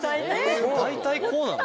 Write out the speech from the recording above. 大体こうなの？